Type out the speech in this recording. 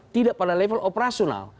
tidak pada level operasional